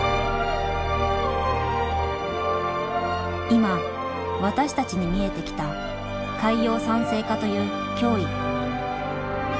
今私たちに見えてきた海洋酸性化という脅威。